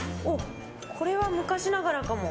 これは昔ながらかも。